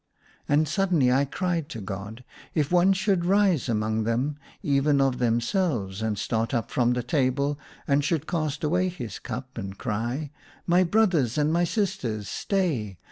And suddenly I cried to God, "If one should rise among them, even of themselves, and start up from the table and should cast away his cup, and cry, ' My brothers and my sisters, stay